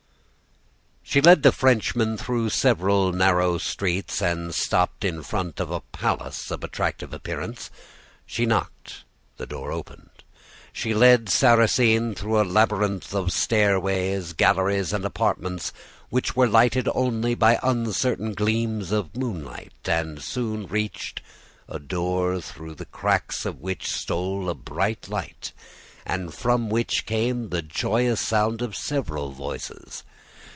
"She led the Frenchman through several narrow streets and stopped in front of a palace of attractive appearance. She knocked; the door opened. She led Sarrasine through a labyrinth of stairways, galleries, and apartments which were lighted only by uncertain gleams of moonlight, and soon reached a door through the cracks of which stole a bright light, and from which came the joyous sound of several voices.